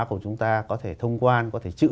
của chúng ta có thể thông quan có thể chữ